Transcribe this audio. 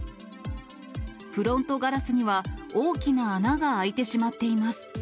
フロントガラスには大きな穴が開いてしまっています。